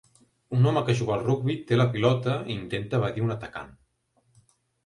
Un home que juga al rugbi té la pilota i intenta evadir un atacant.